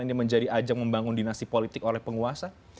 ini menjadi ajang membangun dinasti politik oleh penguasa